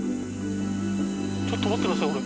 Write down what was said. ちょっと待って下さい。